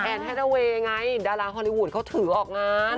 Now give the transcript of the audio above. แฮดาเวย์ไงดาราฮอลลีวูดเขาถือออกงาน